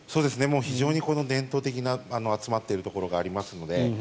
非常に伝統的な集まっているところがありますので。